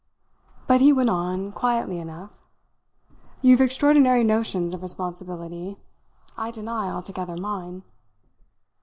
But he went on quietly enough. "You've extraordinary notions of responsibility. I deny altogether mine."